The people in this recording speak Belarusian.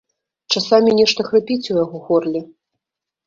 Часамі нешта хрыпіць у яго горле.